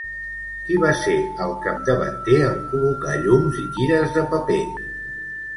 Qui va ser el capdavanter en col·locar llums i tires de paper?